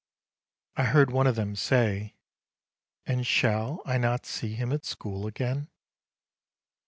I heard one of them say, "And shall I not see him at school again?'